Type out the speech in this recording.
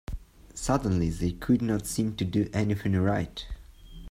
Suddenly, they could not seem to do anything right.